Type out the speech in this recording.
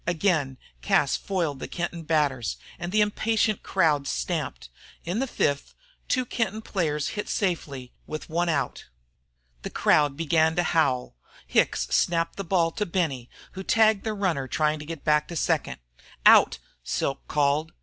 Again Cas foiled the Kenton batters, and the impatient crowd stamped. In the fifth, two Kenton players hit safely with one out. The crowd began to howl. Hicks snapped the ball to Benny, who tagged the runner trying to get back to second. "Out!" called Silk.